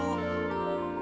aturannya dua kali sehari